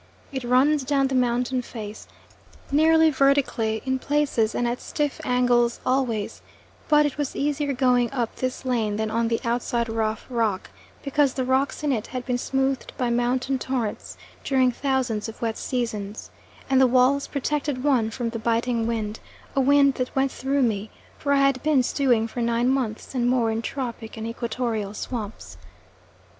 It runs down the mountain face, nearly vertically in places and at stiff angles always, but it was easier going up this lane than on the outside rough rock, because the rocks in it had been smoothed by mountain torrents during thousands of wet seasons, and the walls protected one from the biting wind, a wind that went through me, for I had been stewing for nine months and more in tropic and equatorial swamps.